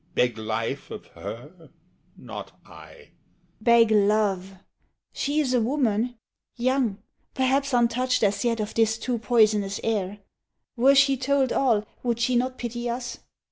beg life of her? Not I. SHE. Beg love. She is a woman, young, perhaps Untouched as yet of this too poisonous air. Were she told all, would she not pity us?